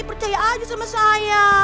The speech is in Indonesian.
percaya aja sama saya